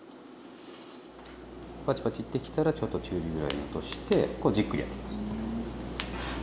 パチパチいってきたらちょっと中火ぐらいに落としてこうじっくりやってきます。